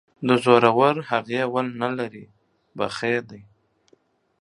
د زورورهغې ول نه لري ،بخۍ دى.